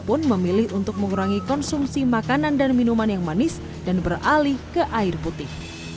pun memilih untuk mengurangi konsumsi makanan dan minuman yang manis dan beralih ke air putih